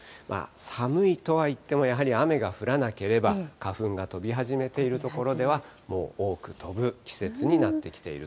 寒いとはいっても、やはり雨が降らなければ、花粉が飛び始めている所では、もう多く飛ぶ季節になってきていると。